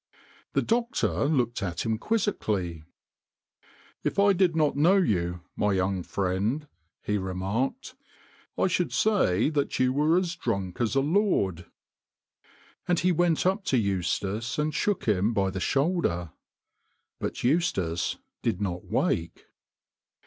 The doctor looked at him quizzically, " If 1 did not know you, my young friend," he remarked, "I should say that you were as drunk as a lord." And he went up to Eustace and shook him by the shoulder ; but Eustace did not wake.